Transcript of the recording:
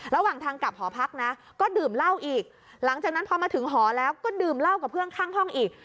ระหว่างทางกลับหอพักนะก็ดื่มเหล้าอีกหลังจากนั้นพอมาถึงหอแล้วก็ดื่มเหล้ากับเพื่อนข้างห้องอีก